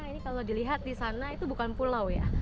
ini kalau dilihat di sana itu bukan pulau ya